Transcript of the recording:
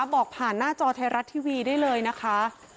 บอกผ่านหน้าจอไทยรัฐทีวีได้เลยนะคะ